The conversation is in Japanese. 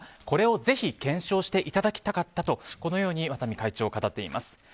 これをぜひ検証していただきたかったとこのようにワタミ会長は語っています。